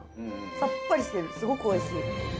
さっぱりしてるすごくおいしい。